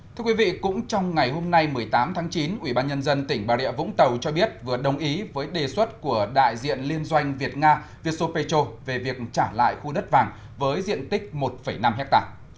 thưa quý vị cũng trong ngày hôm nay một mươi tám tháng chín ubnd tỉnh bà rịa vũng tàu cho biết vừa đồng ý với đề xuất của đại diện liên doanh việt nga vysopecho về việc trả lại khu đất vàng với diện tích một năm ha